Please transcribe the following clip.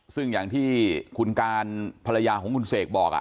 ซึ่งอย่างที่คุณการภรรยาของคุณเสกบอก